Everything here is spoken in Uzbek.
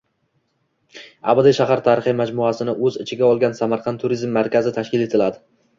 “Abadiy shahar” tarixiy majmuasini o‘z ichiga olgan “Samarqand turizm markazi” tashkil etiladi.